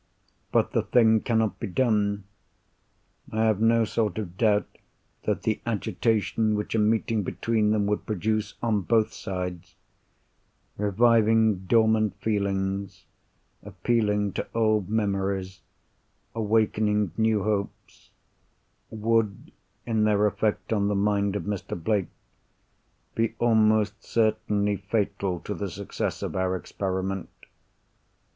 But the thing cannot be done. I have no sort of doubt that the agitation which a meeting between them would produce on both sides—reviving dormant feelings, appealing to old memories, awakening new hopes—would, in their effect on the mind of Mr. Blake, be almost certainly fatal to the success of our experiment.